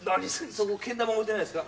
そこけん玉置いてないですか？